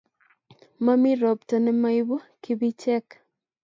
momi ropta nemoibu kibichek